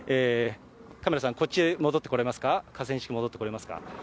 カメラさん、こっちへ戻ってこれますか、河川敷、戻ってこれますか。